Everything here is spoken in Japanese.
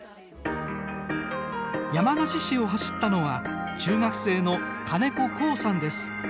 山梨市を走ったのは中学生の金子倖桜さんです。